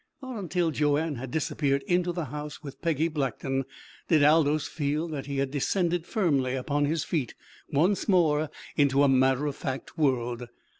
Not until Joanne had disappeared into the house with Peggy Blackton did Aldous feel that he had descended firmly upon his feet once more into a matter of fact world.